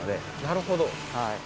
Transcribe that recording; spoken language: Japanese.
なるほど。